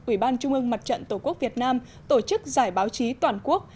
ủy ban trung ương mặt trận tổ quốc việt nam tổ chức giải báo chí toàn quốc